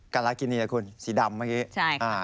กัลลาคีเนียหรือคุณสีดำเมื่อกี้